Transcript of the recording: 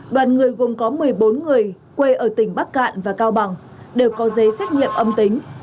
đoàn người gồm có một mươi bốn người quê ở tỉnh bắc cạn và cao bằng đều có giấy xét nghiệm âm tính